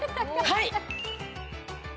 はい！